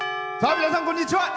皆さん、こんにちは！